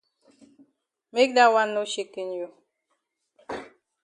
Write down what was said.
Make dat wan no shaken you.